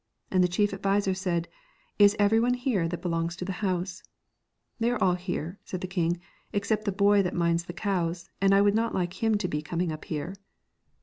And the chief adviser said, ' Is every one here that belongs to the house ?'' They are all here,' said the king, ' except the boy that minds the cows, and I would not like him to be coming up here.'